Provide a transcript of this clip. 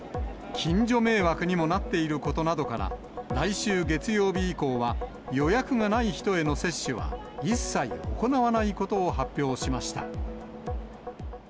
近所迷惑にもなっていることなどから、来週月曜日以降は、予約がない人への接種は、一切行わないことを発表しました。